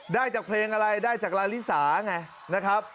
ได้จากเพลงอะไรได้จากลาลิสาไงนะครับ